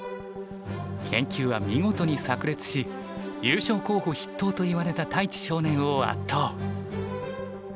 研究は見事にさく裂し優勝候補筆頭といわれた太地少年を圧倒。